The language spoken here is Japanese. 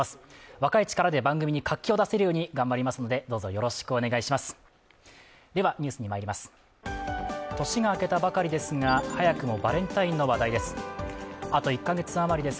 若い力で番組に活気を出せるように頑張りますのでどうそよろしくお願いいたします。